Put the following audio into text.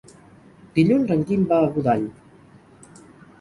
Dilluns en Guim va a Godall.